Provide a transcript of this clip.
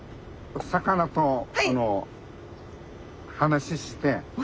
お魚と話をして？